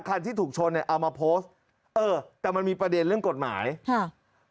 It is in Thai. ที่ถูกชนเนี่ยเอามาโพสต์เออแต่มันมีประเด็นเรื่องกฎหมายค่ะ